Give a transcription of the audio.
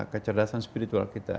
kecerdasan spiritual kita